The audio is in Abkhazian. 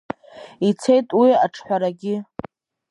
Ицеит уи аҿҳәарагьы.